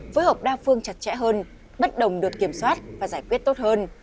phối hợp đa phương chặt chẽ hơn bất đồng được kiểm soát và giải quyết tốt hơn